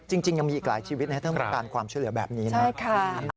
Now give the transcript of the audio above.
จริงยังมีอีกหลายชีวิตนะถ้าต้องการความช่วยเหลือแบบนี้นะครับ